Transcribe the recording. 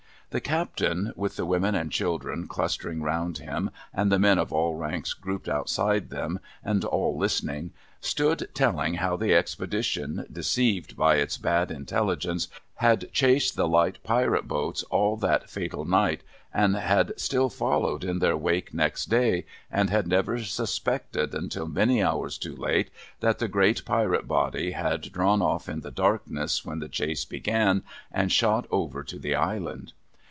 The captain — with the women and children clustering round him, and the men of all ranks grouped outside them, and all listening — stood telling how the Expedition, deceived by its bad intelligence, had chased the light Pirate boats all that fatal night, and had still followed in their wake next day, and had never 176 PERILS OF CERTAIN ENGLISH PRISONERS suspected until many hours too late that the great Pirate body had drawn off in the darkness when the chase began, and shot over to the Island.